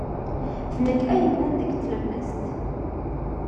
D nekk ay yellan deg tlemmast.